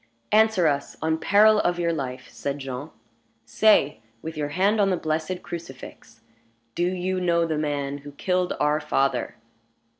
"Answer us, on peril of your life," said Jean. "Say, with your hand on the blessed crucifix, do you know the man who killed our father?"